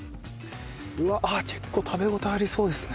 あっ結構食べ応えありそうですね。